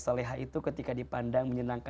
saleh itu ketika dipandang menyenangkan